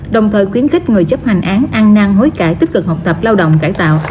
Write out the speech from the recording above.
đồng thời khuyến khích người chấp hành án an năng hối cải tích cực học tập lao động cải tạo